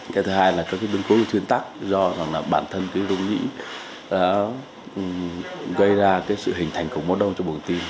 cái thứ hai là biến cố về chuyên tắc do bản thân dung nhĩ gây ra sự hình thành cổng mốt đông cho bụng tim